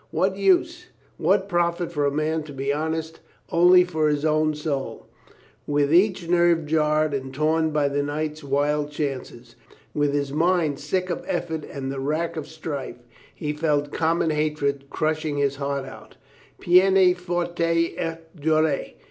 What use? What profit for a man to be honest only for his own soul? With each nerve jarred and torn by the night's wild chances, with his mind sick of effort and the rack of strife, he felt common hatred crushing his heart out, peine forte et dure.